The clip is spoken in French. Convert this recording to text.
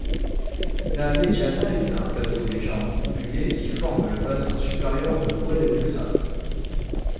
La Medjana est un plateau légèrement ondulé, qui forme le bassin supérieur de l'Oued-el-Ksab.